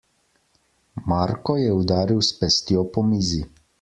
Marko je udaril s pestjo po mizi.